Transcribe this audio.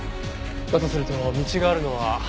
だとすると道があるのは。